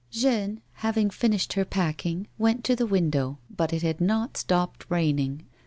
Jeanne, having finished her packing, went to the window, but it had not stopped raining.